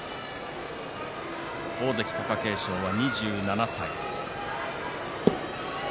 大関貴景勝は２７歳。